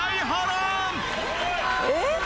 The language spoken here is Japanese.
えっ⁉